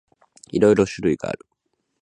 いろいろ種類がある。